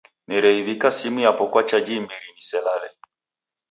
Nereiw'ika simu yapo kwa chaji imbiri niselale.